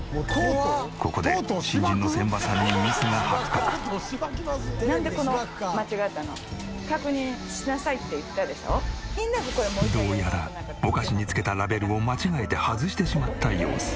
ここで新人の仙波さんにどうやらお菓子に付けたラベルを間違えて外してしまった様子。